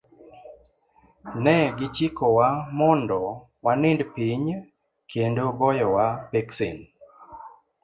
Ne gichikowa mondo wanind piny, kendo goyowa peksen.